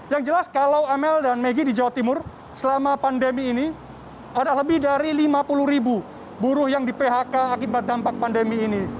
yang jelas kalau amel dan megi di jawa timur selama pandemi ini ada lebih dari lima puluh ribu buruh yang di phk akibat dampak pandemi ini